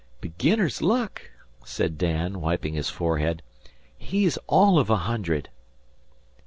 "Beginner's luck," said Dan, wiping his forehead. "He's all of a hundred."